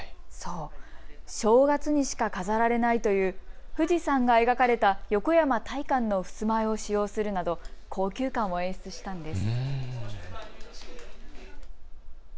正月にしか飾られないという富士山が描かれた横山大観のふすま絵を使用するなど高級感を演出したんです。